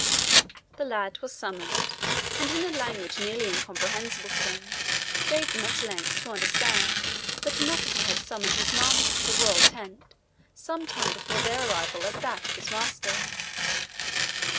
The lad was summoned, and in a language nearly incomprehensible to them, gave them at length to understand that an officer had summoned his master to the royal tent some time before their arrival at that of his master.